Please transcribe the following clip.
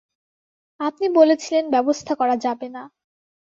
আপনি বলেছিলেন ব্যবস্থা করা যাবে না।